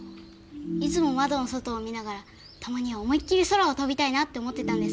いつも窓の外を見ながらたまには思いっきり空を飛びたいなって思ってたんです。